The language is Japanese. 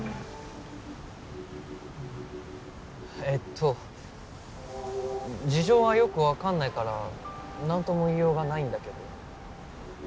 えっと事情はよくわかんないからなんとも言いようがないんだけど。